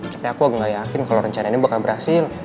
tapi aku agak gak yakin kalau rencana ini bakal berhasil